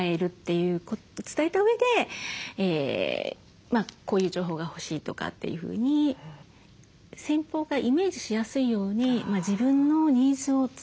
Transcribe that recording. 伝えたうえでこういう情報が欲しいとかっていうふうに先方がイメージしやすいように自分のニーズを伝えるというのが大事ですね。